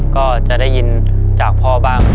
ก็จะได้ยินจากพ่อบ้าง